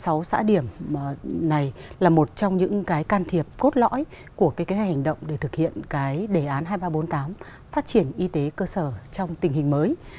mô hình hai mươi sáu xã điểm này là một trong những cái can thiệp cốt lõi của cái hành động để thực hiện cái đề án hai nghìn ba trăm bốn mươi tám phát triển y tế cơ sở trong tình hình mới